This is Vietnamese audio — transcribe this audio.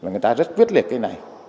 người ta rất viết liệt cái này